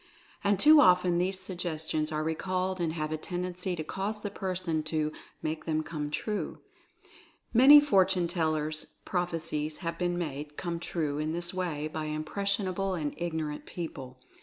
And too often these suggestions are recalled and have a tend ency to cause the person to "make them come true." Many fortune tellers' prophecies have been made come true in this way by impressionable and ignorant peo ple.